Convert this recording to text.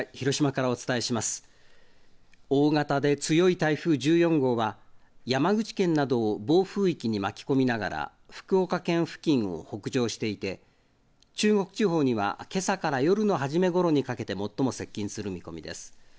大型で強い台風１４号は山口県などを暴風域に巻き込みながら福岡県付近を北上していて中国地方にはけさから夜の初めごろにかけて最も接近する見込みです。